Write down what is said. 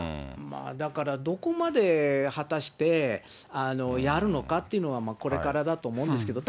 だからどこまで果たしてやるのかっていうのはこれからだと思うんですけれども。